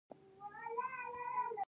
زه له هر چا ښېګڼه غواړم.